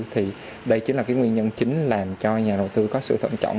thì đây chính là cái nguyên nhân chính làm cho nhà đầu tư có sự thận trọng